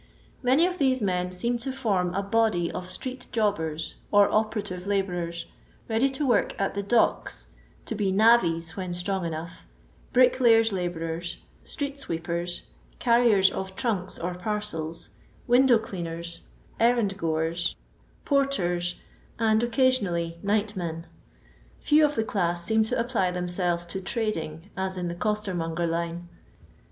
Many of these men seem to form a body of street jobbers or operative labourers, ready to work at the docks, to be navvies (when strong enough), bricklayers' labourers, street sweepers, carriers of trunks or parcels, window cleaners, errand goers, porters, and (occasionally) nightmcn. Few of the cUiss seem to apply themselves to trading, as in the costermonger line.